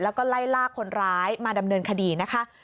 แล้วก็ไล่ลากคนร้ายมาดำเนินคดีนะคะ